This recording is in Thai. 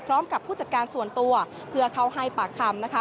พร้อมกับผู้จัดการส่วนตัวเพื่อเขาให้ปากคำ